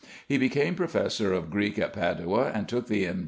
He became professor of Greek at Padua, and took the M.